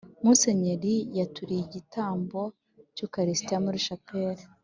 musenyeri yaturiye igitambo cy’ukaristiya muri chapelle